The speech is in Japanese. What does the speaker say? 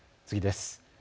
次です。